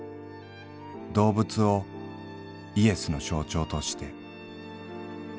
動物をイエスの象徴として。